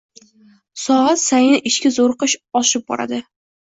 Soat sayin ichki zo’riqish oshib boradi.